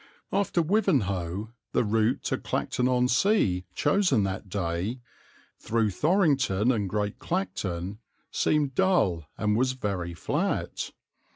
After Wivenhoe, the route to Clacton on Sea chosen that day, through Thorrington and Great Clacton, seemed dull and was very flat.